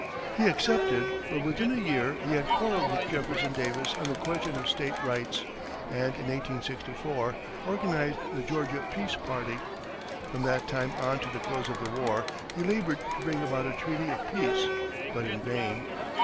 He accepted, but within a year he had quarrelled with Jefferson Davis on the question of state rights, and in 1864, organized the Georgia Peace party. From that time on to the close of the war, he labored to bring about a treaty of peace, but in vain.